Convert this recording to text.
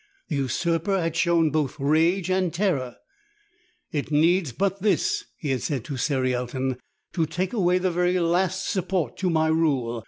The usurper had shown both rage and terror. "It needs but this,'' he had said to Cerialton, "to take away the very last support to my rule.